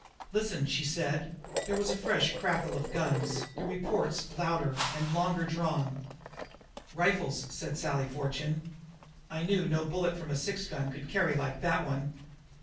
"Listen!" she said. There was a fresh crackle of guns, the reports louder and longer drawn. "Rifles," said Sally Fortune. "I knew no bullet from a six gun could carry like that one."